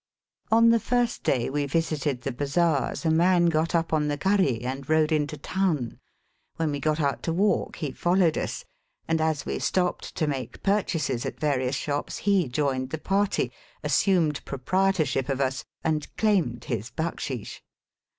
On the first day we visited the bazaars a man got up on the gharry and rode into town. When we got out to walk he followed us, and as we stopped to make purchases at various shops he joined the party, assumed proprietor ship of us, and claimed his backsheesh.